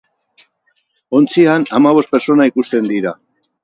Ontzian hamabost pertsona ikusten dira.